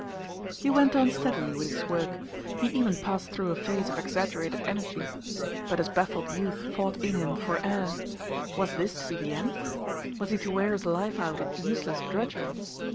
He went on steadily with his work: he even passed through a phase of exaggerated energy. But his baffled youth fought in him for air. Was this to be the end? Was he to wear his life out in useless drudgery?